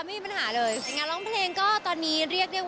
ไม่มีปัญหาเลยงานร้องเพลงก็ตอนนี้เรียกได้ว่า